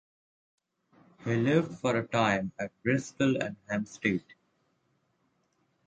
He lived for a time at Bristol and Hampstead.